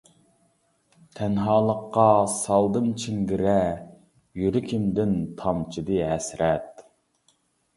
تەنھالىققا سالدىم چىڭ گىرە، يۈرىكىمدىن تامچىدى ھەسرەت.